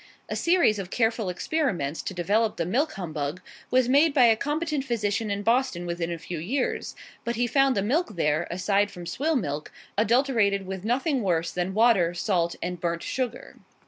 A series of careful experiments to develop the milk humbug was made by a competent physician in Boston within a few years, but he found the milk there (aside from swill milk) adulterated with nothing worse than water, salt, and burnt sugar.